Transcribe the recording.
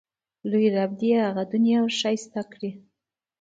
لوی رب دې یې هغه دنیا ښایسته کړي.